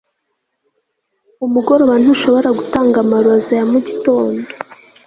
umugoroba ntushobora gutanga amaroza ya mugitondo